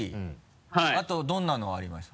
あとどんなのありました？